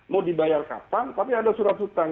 mau dibayar kapan tapi ada surat hutang